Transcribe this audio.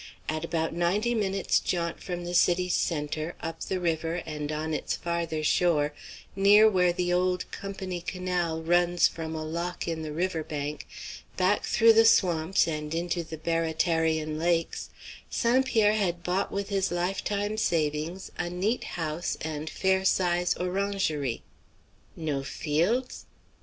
At about ninety minutes' jaunt from the city's centre, up the river, and on its farther shore, near where the old "Company Canal" runs from a lock in the river bank, back through the swamps and into the Baratarian lakes, St. Pierre had bought with his lifetime savings a neat house and fair sized orangery. No fields?